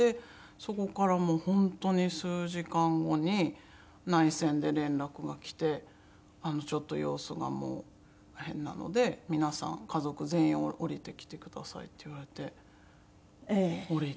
そこからもう本当に数時間後に内線で連絡がきて「ちょっと様子がもう変なので皆さん家族全員下りてきてください」って言われて下りて。